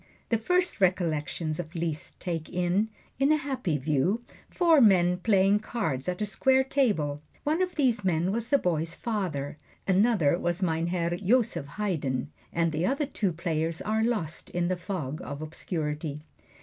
The first recollections of Liszt take in, in a happy view, four men playing cards at a square table. One of these men was the boy's father, another was Mein Herr Joseph Haydn, and the other two players are lost in the fog of obscurity.